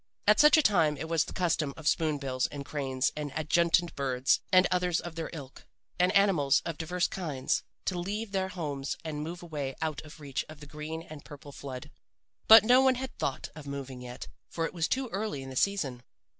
At such a time it was the custom of Spoon bills and cranes and adjutant birds and others of their ilk, and animals of divers kinds, to leave their homes and move away out of reach of the green and purple flood. But no one had thought of moving yet, for it was too early in the season.